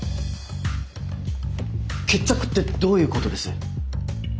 決着ってどういうことです？